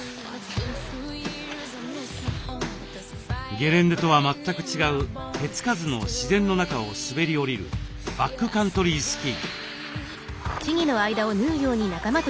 ゲレンデとは全く違う手付かずの自然の中を滑り降りるバックカントリースキー。